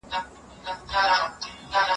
ته لمبه زه دي بورا یم رقیبان را خبر نه سي